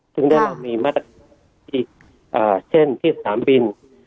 จึงได้เรามีมรรดาศัพที่เช่นที่สถานบิน